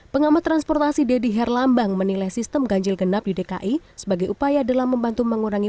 pengamat transportasi deddy herlambang menilai sistem ganjil genap di dki sebagai upaya dalam membantu mengurangi